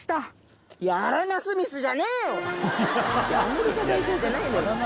アメリカ代表じゃないのよ。